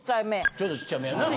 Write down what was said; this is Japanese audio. ちょっとちっちゃめやな。